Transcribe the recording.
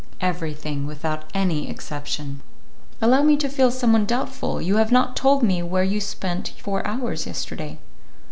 "Everything, without any exception." "Allow me to feel somewhat doubtful; you have not told me where you spent four hours yesterday."